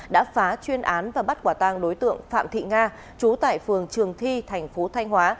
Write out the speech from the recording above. đã phá chuyên án và bắt quả tang đối tượng phạm thị nga trú tại phường trường thi thành phố thanh hóa